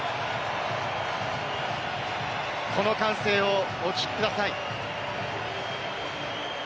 この歓声をお聞きください。